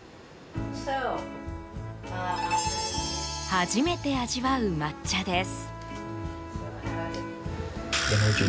初めて味わう抹茶です。